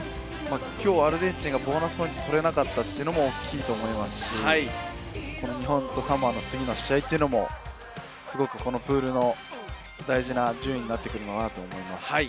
きょうアルゼンチンがボーナスポイントを取れなかったというのも大きいと思いますし、日本とサモアの次の試合も、プールの大事な順位に繋がってくると思います。